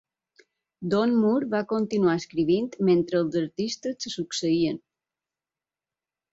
Don Moore va continuar escrivint mentre els artistes se succeïen.